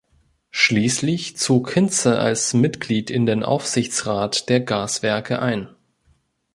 Schließlich zog Hinze als Mitglied in den Aufsichtsrat der Gaswerke ein.